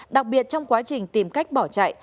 đặc biệt trong quá trình tìm cách bỏ chạy